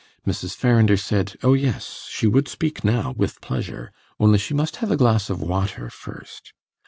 Mrs. Farrinder said: Oh yes, she would speak now with pleasure; only she must have a glass of water first.